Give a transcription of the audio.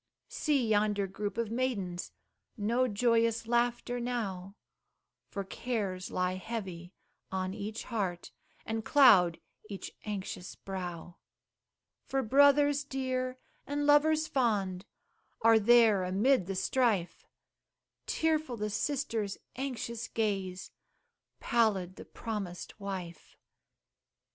See yonder group of maidens, No joyous laughter now, For cares lie heavy on each heart And cloud each anxious brow: For brothers dear, and lovers fond, Are there amid the strife; Tearful the sister's anxious gaze Pallid the promised wife.